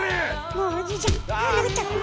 もうおじいちゃんあ殴っちゃった！